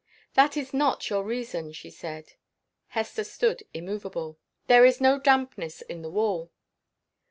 "That is not your reason," she said. Hester stood immovable. "There is no dampness in the wall."